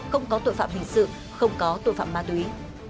không có tội phạm hình sự không có tội phạm ma túy